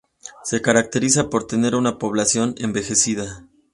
Se caracteriza por tener una población envejecida.